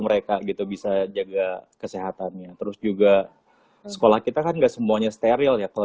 mereka gitu bisa jaga kesehatannya terus juga sekolah kita kan enggak semuanya steril ya kalau